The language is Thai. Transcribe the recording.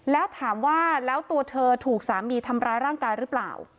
แล้วถามว่าแล้วตัวเธอถูกสามีทำร้ายร่างกายหรือเปล่า